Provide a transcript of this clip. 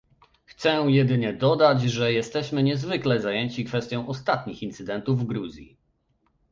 Chcę jedynie dodać, że jesteśmy niezwykle zajęci kwestią ostatnich incydentów w Gruzji